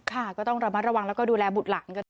ค่ะก็ต้องระมัดระวังแล้วก็ดูแลบุตรหลานกันด้วย